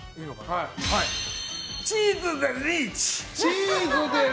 チーズでリーチ。